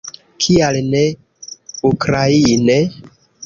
Kial ne ukraine?